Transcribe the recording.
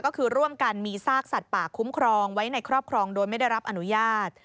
ก็คือร่วมกันมีซากสัตว์ป่าคุ้มครองไว้ในครอบครองโดยไม่ได้รับอนุญาต